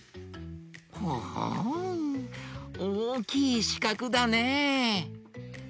ほほうおおきいしかくだね。